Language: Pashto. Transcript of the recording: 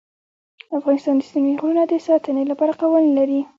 افغانستان د ستوني غرونه د ساتنې لپاره قوانین لري.